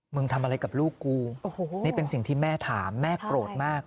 ทำอะไรกับลูกกูนี่เป็นสิ่งที่แม่ถามแม่โกรธมาก